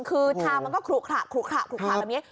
คือทางมันก็ขลุขระแบบนี้